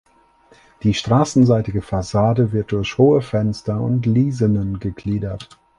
Die straßenseitige Fassade wird durch hohe Fenster und Lisenen gegliedert.